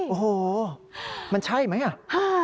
โอ้โฮมันใช่ไหมล่ะวะโอ้โฮ